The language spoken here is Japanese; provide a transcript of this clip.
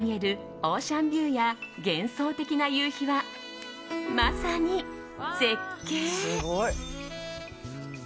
そこから見えるオーシャンビューや幻想的な夕日は、まさに絶景。